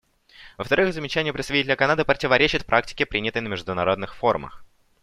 Во-вторых, замечания представителя Канады противоречат практике, принятой на международных форумах.